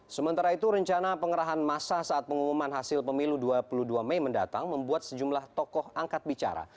sementara itu rencana pengerahan masa saat pengumuman hasil pemilu dua puluh dua mei mendatang membuat sejumlah tokoh angkat bicara